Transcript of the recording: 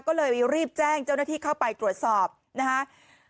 ก็เลยรีบแจ้งเจ้าหน้าที่เข้าไปตรวจสอบนะครับ